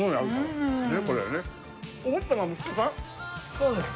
そうです。